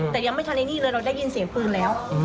แต่ยังไม่ทันไอ้นี่เลยเราได้ยินเสียงปืนแล้ว